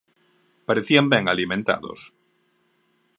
Parecían ben alimentados.